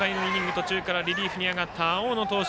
途中からリリーフに上がった青野投手